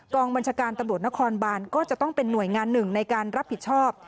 บัญชาการตำรวจนครบานก็จะต้องเป็นหน่วยงานหนึ่งในการรับผิดชอบ